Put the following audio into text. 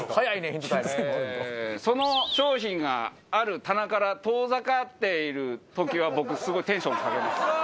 その商品がある棚から遠ざかっている時は僕すごいテンション下がります。